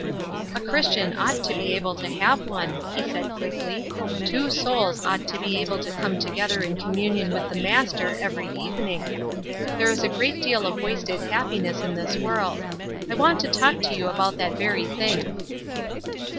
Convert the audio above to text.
"A Christian ought to be able to have one," he said, quickly. "Two souls ought to be able to come together in communion with the Master every evening. There is a great deal of wasted happiness in this world. I want to talk to you about that very thing."